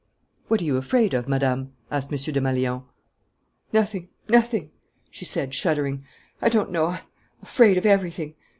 "What are you afraid of, Madame?" asked M. Desmalions. "Nothing, nothing," she said, shuddering. "I don't know.... I am afraid of everything....